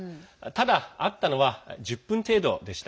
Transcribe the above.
ただ、会ったのは１０分程度でした。